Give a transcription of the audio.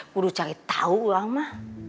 kudu cari tau lama